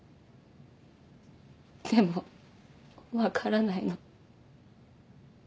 でも分からないの。